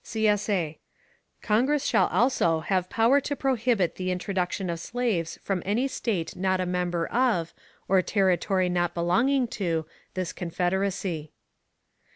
_ [CSA] _Congress shall also have power to prohibit the introduction of slaves from any State not a member of, or Territory not belonging to, this Confederacy.